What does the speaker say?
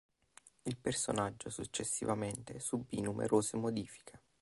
Il personaggio successivamente subì numerose modifiche.